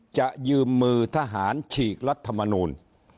จะยืมมือทหารฉีกรัฐมนูล